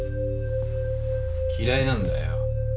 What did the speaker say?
嫌いなんだよ。